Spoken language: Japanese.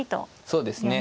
そうですね。